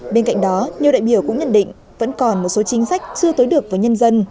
bên cạnh đó nhiều đại biểu cũng nhận định vẫn còn một số chính sách chưa tới được với nhân dân